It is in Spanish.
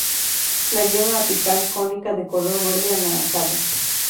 La yema apical cónica de color verde anaranjado.